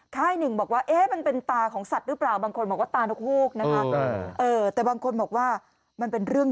ค่ายหนึ่งบอกว่าเอ๊ะมันเป็นตาของสัตว์หรือเปล่าบางคนบอกว่าตานกฮูกนะคะแต่บางคนบอกว่ามันเป็นเรื่อง